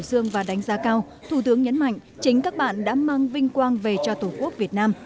xương và đánh giá cao thủ tướng nhấn mạnh chính các bạn đã mang vinh quang về cho tổ quốc việt nam